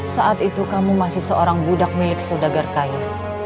saat itu kamu masih seorang budak milik sudagarkaya